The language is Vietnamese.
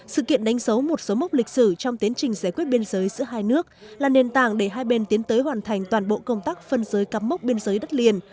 sự kiện đánh dấu một số mốc lịch sử trong tiến trình giải quyết biên giới giữa hai nước là nền tảng để hai bên tiến tới hoàn thành toàn bộ công tác phân giới cắm mốc biên giới đất liền